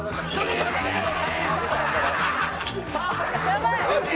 「やばい！」